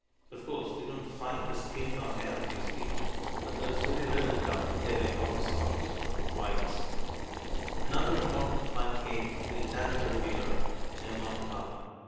Of course we don't find the skin or hair of these people. But there is little doubt they were Caucasoids ("Whites"). Another important find came in the Italian Riviera, near Monte Carlo.